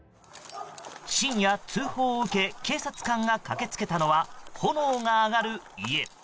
深夜、通報を受け警察官が駆け付けたのは炎が上がる家。